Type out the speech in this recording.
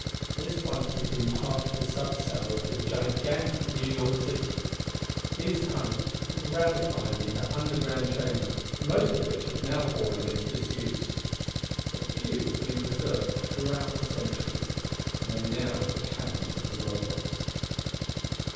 This once had been part of the sub cellar of the gigantic New York City these tunnels ramifying into underground chambers, most of which had now fallen into disuse. But few had been preserved through the centuries, and they now were the caverns of the Robots.